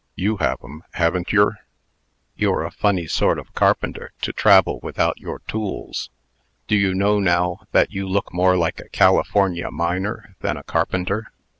You have 'em, haven't yer?" "You're a funny sort of carpenter, to travel without your tools. Do you know, now, that you look more like a California miner than a carpenter?"